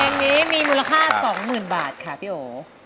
เพลงนี้มีมูลค่าสองหมื่นบาทค่ะพี่โอ๋